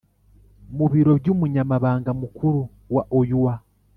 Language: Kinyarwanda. mu biro by'umunyamabanga mukuru wa oua